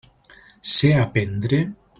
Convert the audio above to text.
Sé aprendre?